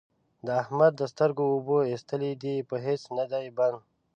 د احمد د سترګو اوبه اېستلې دي؛ په هيڅ نه دی بند،